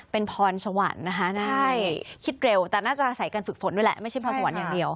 เป็นพรสวรรค์นะคะใช่คิดเร็วแต่น่าจะอาศัยการฝึกฝนด้วยแหละไม่ใช่พรสวรรค์อย่างเดียว